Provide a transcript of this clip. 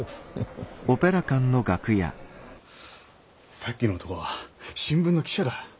さっきの男は新聞の記者だ。